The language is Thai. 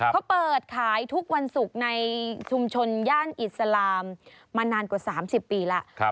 เขาเปิดขายทุกวันศุกร์ในชุมชนย่านอิสลามมานานกว่า๓๐ปีแล้ว